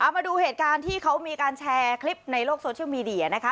มาดูเหตุการณ์ที่เขามีการแชร์คลิปในโลกโซเชียลมีเดียนะคะ